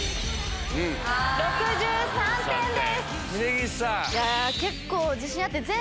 ６３点です。